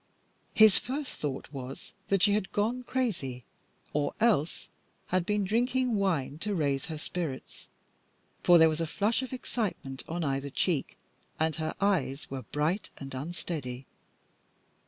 His first thought was that she had gone crazy, or else had been drinking wine to raise her spirits; for there was a flush of excitement on either cheek, and her eyes were bright and unsteady.